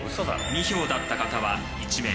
２票だった方は１名。